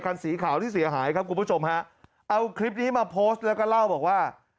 คันสีขาวที่เสียหายครับคุณผู้ชมฮะเอาคลิปนี้มาโพสต์แล้วก็เล่าบอกว่า